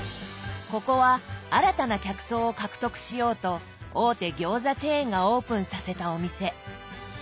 ここは新たな客層を獲得しようと大手餃子チェーンがオープンさせたお店。